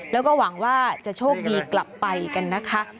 แล้วก็หวังว่าจะโชคดีกลับไปกันนะคะ